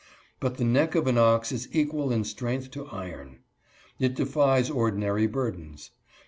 But the neck of an ox is equal in strength to iron. It defies ordinary burdens.